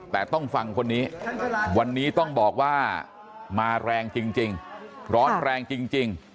แต่ต้องฟังคนนี้วันนี้ต้องบอกว่ามาแรงจริงร้อนแรงจริง